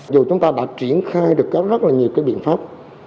dù chúng ta đã triển khai được rất là nhiều cái biện pháp